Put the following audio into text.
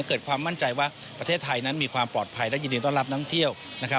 เกิดความมั่นใจว่าภูเกสีไทยมีความปลอดภัยและยินดีต้อนรับทางเที่ยว